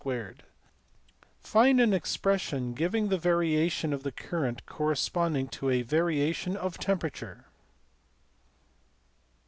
\] Find an expression giving the variation of the current corresponding to a variation of temperature.